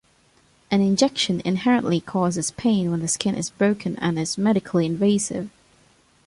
An injection inherently causes pain when the skin is broken and is medically invasive.